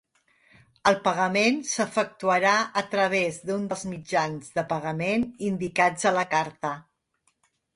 El pagament s'efectuarà a través d'un dels mitjans de pagament indicats a la carta.